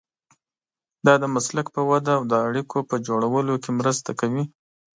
دا د مسلک په وده او د اړیکو په جوړولو کې مرسته کوي.